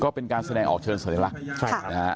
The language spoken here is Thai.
ก็เป็นการแสดงออกเชิญเสนอลักษณ์ครับใช่นะฮะ